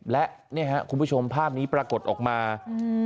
และเนี่ยครับคุณผู้ชมภาพนี้ปรากฏออกมาอืม